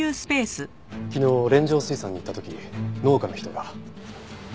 昨日連城水産に行った時農家の人が。